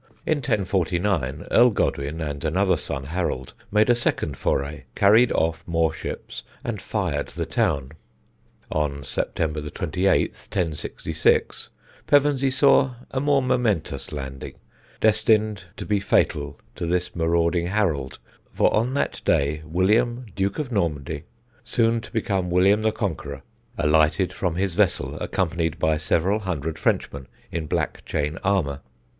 In 1049 Earl Godwin, and another son, Harold, made a second foray, carried off more ships, and fired the town. On September 28, 1066, Pevensey saw a more momentous landing, destined to be fatal to this marauding Harold; for on that day William, Duke of Normandy, soon to become William the Conqueror, alighted from his vessel, accompanied by several hundred Frenchmen in black chain armour.